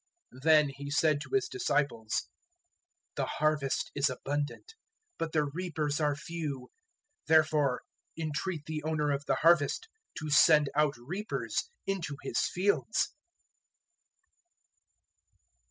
009:037 Then He said to His disciples, "The harvest is abundant, but the reapers are few; 009:038 therefore entreat the Owner of the Harvest to send out reapers into His fields."